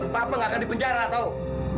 papa gak akan dipenjara tau